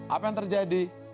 apa yang terjadi